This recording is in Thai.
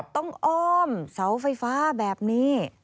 อ้อมเสาไฟฟ้าแบบนี้